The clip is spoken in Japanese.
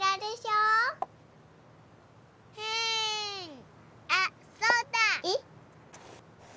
うんあっそうだ！えっ？